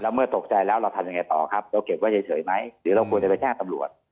แล้วเมื่อตกใจแล้วเราทำยังไงต่อเราเก็บไว้เฉยมั้ยหรือเราควรจะไปท่าทำรวจ